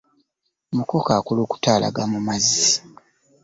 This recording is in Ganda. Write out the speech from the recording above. Mukoka akulukuta alaga mu mazzi.